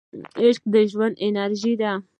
عشق د ژوند انرژي ده.